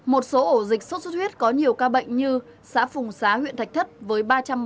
một số ổ dịch sốt xuất huyết có nhiều ca bệnh như xã phùng xá huyện thạch thất với ba trăm một mươi bốn